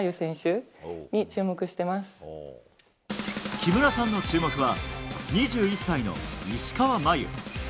木村さんの注目は２１歳の石川真佑。